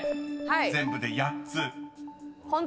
［全部で「８つ」］